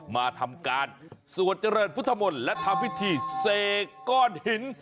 มาทำการสวดเจริญพุทธมนต์และทำพิธีเสกก้อนหิน